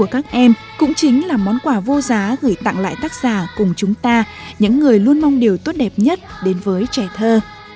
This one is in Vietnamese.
các cô giá gửi tặng lại tác giả cùng chúng ta những người luôn mong điều tốt đẹp nhất đến với trẻ thơ